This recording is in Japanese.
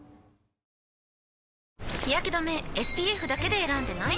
日やけ止めＳＰＦだけで選んでない？